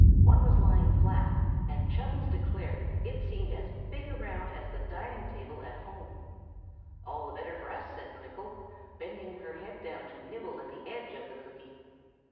One was lying flat, and Chubbins declared it seemed as big around as the dining table at home. "All the better for us," said Twinkle, bending her head down to nibble at the edge of the cookie.